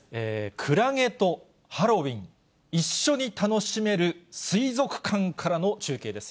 クラゲとハロウィン一緒に楽しめる水族館からの中継です。